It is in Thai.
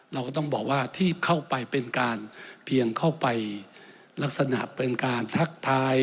เราก็ต้องบอกว่าที่เข้าไปเป็นการเพียงเข้าไปลักษณะเป็นการทักทาย